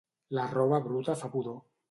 La roba bruta fa pudor.